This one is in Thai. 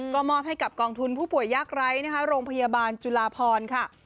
ก็มอบให้กับกองทุนผู้ป่วยยากไร้นะคะโรงพยาบาลจุลาพรค่ะ